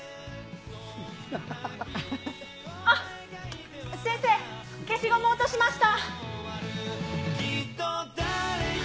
あっ、先生、消しゴム落としました。